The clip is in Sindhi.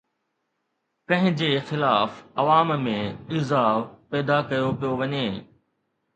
ڪنهن جي خلاف عوام ۾ ايذاءُ پيدا ڪيو پيو وڃي؟